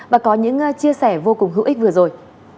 và có những chia sẻ vô cùng hữu ích vừa rồi